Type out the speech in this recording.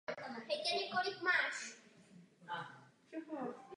Mimo jiné též na počátku šedesátých let orchestr doprovázel soutěž "Hledáme mladé talenty".